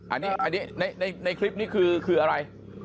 อันนี้ในคลิปนี้คืออะไร